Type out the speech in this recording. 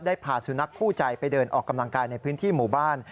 พาสุนัขคู่ใจไปเดินออกกำลังกายในพื้นที่หมู่บ้าน